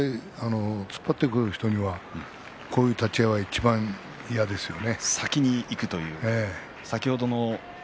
突っ張ってくる人にはこうした立ち合いはいちばん嫌ですよね。